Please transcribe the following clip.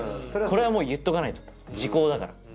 これはもう言っとかないと時効だから。